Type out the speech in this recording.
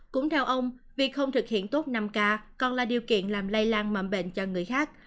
cũng theo ông việc không thực hiện tốt năm k còn là điều kiện làm lây lan mầm bệnh cho người khác